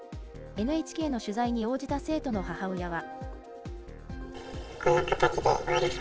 ＮＨＫの取材に応じた生徒の母親は。